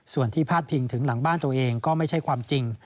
ส่วนที่พาดพิงถึงหลังบ้านตัวเองก็ไม่ใช่ความจริง